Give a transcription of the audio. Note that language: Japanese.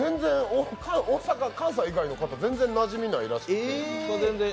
関西以外の方、全然なじみがないらしくて。